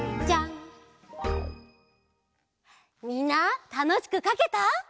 みんなたのしくかけた？